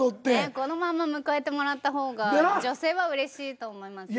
このまま迎えてもらった方が女性はうれしいと思います。